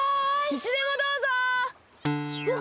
いつでもどうぞ！